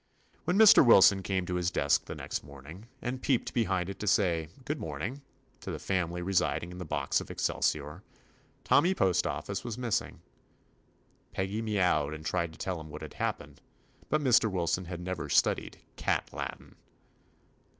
When Mr. Wilson came to his desk the next morning, and peeped behind it to say "Good morning" to the 28 TOMMY POSTOFFICE family residing in the box of excel sior, Tommy Postoffice was missing. Peggy meowed and tried to tell him what had happened, but Mr. Wilson had never studied r^/ Latin.